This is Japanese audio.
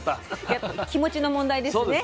やっぱ気持ちの問題ですね。